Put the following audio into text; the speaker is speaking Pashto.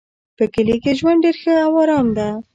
په کلي کې ژوند ډېر ښه او آرام ده